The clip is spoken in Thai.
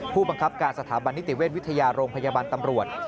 ผู้บังคับการสถาบันนิติเวชวิทยาโรงพยาบาลตำรวจ